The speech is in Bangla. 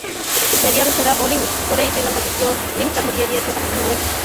ক্যারিয়ার-সেরা বোলিং করেই শ্রীলঙ্কার দ্বিতীয় ইনিংসটা ধসিয়ে দিয়েছেন পাকিস্তানি লেগ স্পিনার।